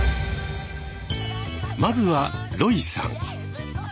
まずはロイさん。